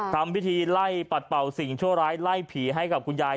ทำพิธีไล่ปัดเป่าสิ่งชั่วร้ายไล่ผีให้กับคุณยาย